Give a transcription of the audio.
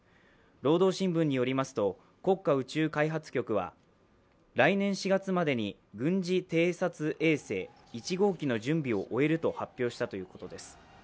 「労働新聞」によりますと、国家宇宙開発局は来年４月までに軍事偵察衛星１号機の準備を終えると発表したということです。